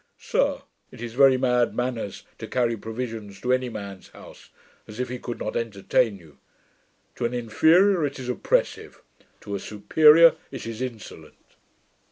Sir, it is very bad manners to carry provisions to any man's house, as if he could not entertain you. To an inferior, it is oppressive; to a superior, it is insolent.'